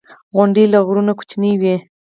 • غونډۍ له غرونو کوچنۍ وي.